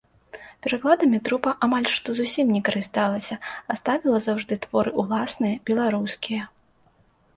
Перакладамі трупа амаль што зусім не карысталася, а ставіла заўжды творы ўласныя, беларускія.